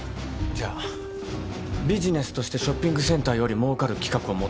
じゃビジネスとしてショッピングセンターよりもうかる企画を持ってくる。